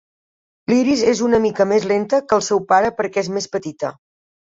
L'Iris és una mica més lenta que el seu pare perquè és més petita.